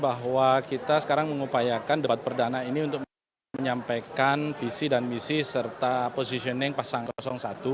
bahwa kita sekarang mengupayakan debat perdana ini untuk menyampaikan visi dan misi serta positioning pasang satu